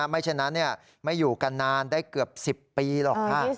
ฉะนั้นไม่อยู่กันนานได้เกือบ๑๐ปีหรอกค่ะ